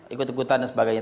ikut ikutan dan sebagainya